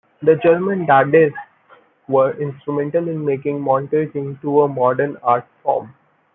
The German Dadists were instrumental in making montage into a modern art-form.